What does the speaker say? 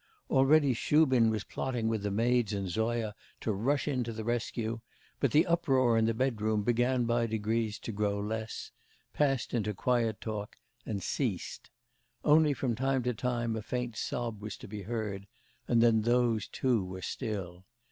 Already Shubin was plotting with the maids and Zoya to rush in to the rescue; but the uproar in the bedroom began by degrees to grow less, passed into quiet talk, and ceased. Only from time to time a faint sob was to be heard, and then those, too, were still.